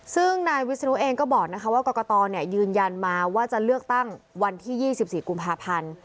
ซึ่งนายวิศนุเองก็บอกว่ากรกตยืนยันมาว่าจะเลือกตั้งวันที่๒๔กุมภาพันธ์